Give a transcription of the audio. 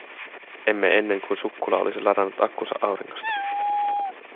Emme ennen kuin sukkula olisi ladannut akkunsa auringosta.